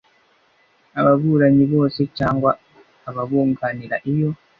ababuranyi bose cyangwa ababunganira iyo